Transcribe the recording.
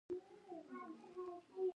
ما پیار نه ده ښه؛ ترينو ګړدود